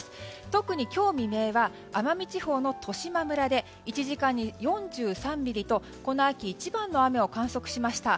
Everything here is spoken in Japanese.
特に今日未明は奄美地方の十島村で１時間に４３ミリとこの秋一番の雨を観測しました。